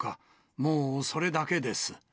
もうそれだけです。